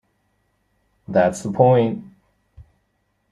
That's the point.